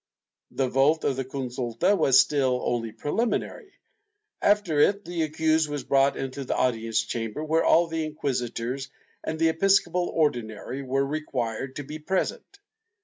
The vote of the consulta was still only preliminary. After it, the accused was brought into the audience chamber, where all the inquisitors and the episcopal Ordinary were required to be present.